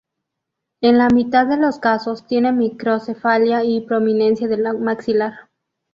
En la mitad de los casos tiene microcefalia y prominencia del maxilar.